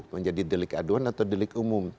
menjadi delik aduan atau delik umum